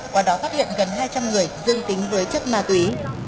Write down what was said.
qua đó phát hiện gần hai trăm linh người dương tính với chất ma túy